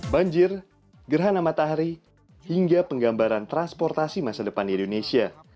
banjir gerhana matahari hingga penggambaran transportasi masa depan di indonesia